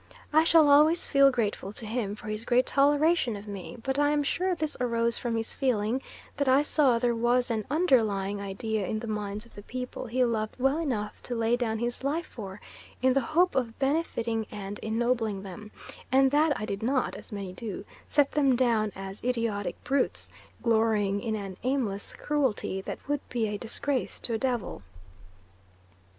I shall always feel grateful to him for his great toleration of me, but I am sure this arose from his feeling that I saw there was an underlying idea in the minds of the people he loved well enough to lay down his life for in the hope of benefiting and ennobling them, and that I did not, as many do, set them down as idiotic brutes, glorying in an aimless cruelty that would be a disgrace to a devil.